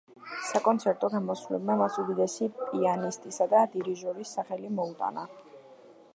საკონცერტო გამოსვლებმა მას უდიდესი პიანისტისა და დირიჟორის სახელი მოუტანა.